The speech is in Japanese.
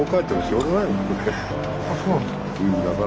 あっそうなんですか？